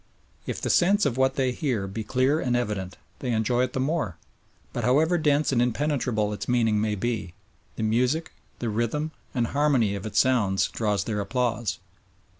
If the sense of what they hear be clear and evident, they enjoy it the more, but however dense and impenetrable its meaning may be, the music, the rhythm and harmony of its sounds draws their applause.